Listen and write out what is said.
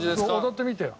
踊ってみてよ。